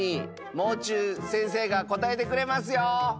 もう中先生が答えてくれますよ